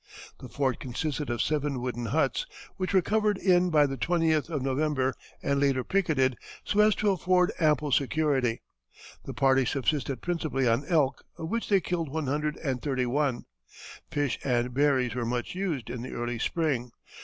The fort consisted of seven wooden huts, which were covered in by the 20th of November and later picketed, so as to afford ample security. The party subsisted principally on elk, of which they killed one hundred and thirty one. Fish and berries were much used in the early spring.